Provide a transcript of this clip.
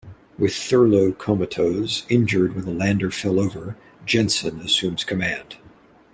With Thurlow comatose, injured when the lander fell over, Jensen assumes command.